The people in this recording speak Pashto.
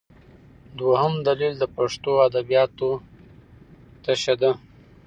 دویم دلیل د پښتو ادبیاتو تشه ده.